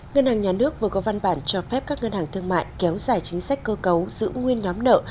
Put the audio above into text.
ngân hàng nhà nước vừa có văn bản cho phép các ngân hàng thương mại kéo dài chính sách cơ cấu giữ nguyên nhóm nợ